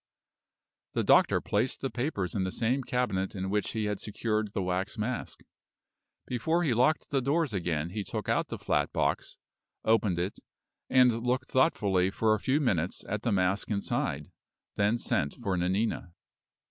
The doctor placed the papers in the same cabinet in which he had secured the wax mask. Before he locked the doors again he took out the flat box, opened it, and looked thoughtfully for a few minutes at the mask inside, then sent for Nanina.